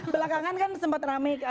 belakangan kan sempat ramai